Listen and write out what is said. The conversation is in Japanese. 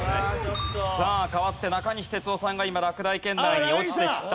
さあ代わって中西哲生さんが今落第圏内に落ちてきた。